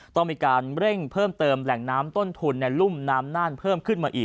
ต้องมีการเร่งเพิ่มเติมแหล่งน้ำต้นทุนในรุ่มน้ำน่านเพิ่มขึ้นมาอีก